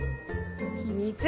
秘密！